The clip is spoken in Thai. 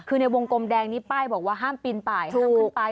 คือในวงกลมแดงนี้ป้ายบอกว่าห้ามปีนไปห้ามขึ้นไป